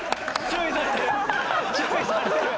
注意されてる。